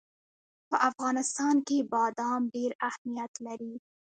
په افغانستان کې بادام ډېر اهمیت لري.